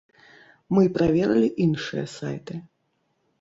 Мы праверылі іншыя сайты.